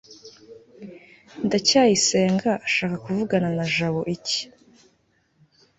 ndacyayisenga ashaka kuvugana na jabo iki